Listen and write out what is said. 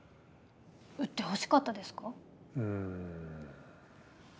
売ってほしかったですか？